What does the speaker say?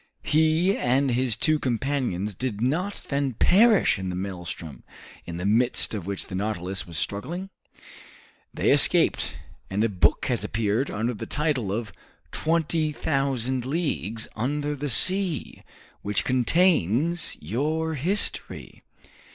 "He and his two companions did not then perish in the maelstrom, in the midst of which the 'Nautilus' was struggling?" "They escaped, and a book has appeared under the title of 'Twenty Thousand Leagues Under the Sea,' which contains your history."